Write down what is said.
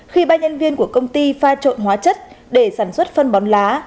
khi ba nhân viên của công ty pha trộn hóa chất để sản xuất phân bón lá